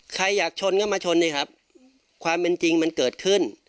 ใครอยากชนก็มาชนสิครับความเป็นจริงมันเกิดขึ้น